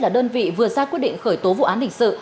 là đơn vị vừa ra quyết định khởi tố vụ án hình sự